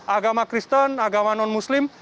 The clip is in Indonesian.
agama kristen agama non muslim